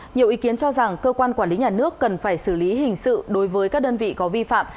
nhiều ý kiến cho rằng cơ quan quản lý nhà nước cần phải xử lý hình sự đối với các đơn vị có vi phạm